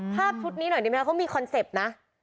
ภาพชุดนี้หน่อยดีไหมคะเขามีคอนเซ็ปต์นะ